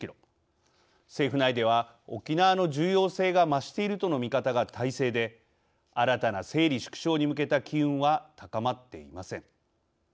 政府内では沖縄の重要性が増しているとの見方が大勢で新たな整理・縮小に向けた機運は高まっていません。